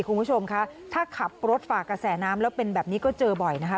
คุณผู้ชมคะถ้าขับรถฝากกระแสน้ำแล้วเป็นแบบนี้ก็เจอบ่อยนะคะ